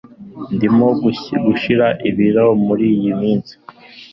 ndimo gushira ibiro muriyi minsi